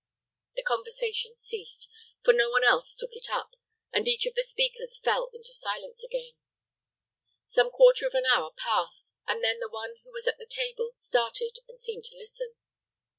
The conversation ceased; for no one else took it up, and each of the speakers fell into silence again. Some quarter of an hour passed, and then the one who was at the table started and seemed to listen.